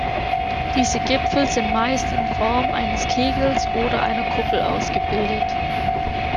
Diese Gipfel sind meist in Form eines Kegels oder einer Kuppel ausgebildet.